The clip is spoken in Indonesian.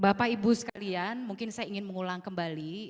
bapak ibu sekalian mungkin saya ingin mengulang kembali